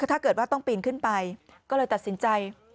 ถ้าเกิดว่าต้องปีนขึ้นไปก็เลยตัดสินใจ